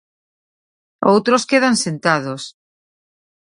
Outros quedan sentados.